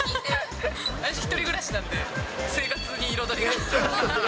私、１人暮らしなんで、生活に彩りが。